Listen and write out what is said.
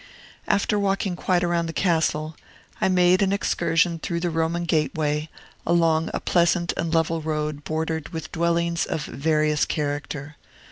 After walking quite round the castle, I made an excursion through the Roman gateway, along a pleasant and level road bordered with dwellings of various character.